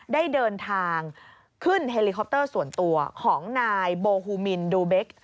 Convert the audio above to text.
ได้เดินทางขึ้นเฮลิคอปเตอร์ส่วนตัวของนายโบฮูมินดูเบค